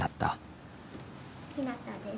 ひなたです。